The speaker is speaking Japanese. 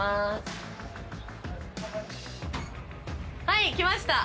はいきました！